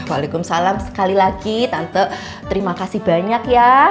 waalaikumsalam sekali lagi tante terima kasih banyak ya